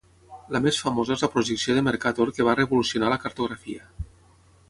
La més famosa és la projecció de Mercator que va revolucionar a la cartografia.